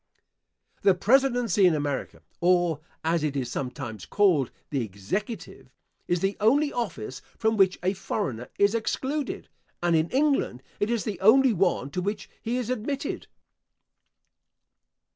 The presidency in America (or, as it is sometimes called, the executive) is the only office from which a foreigner is excluded, and in England it is the only one to which he is admitted.